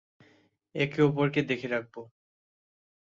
একে অপরকে দেখে রাখব।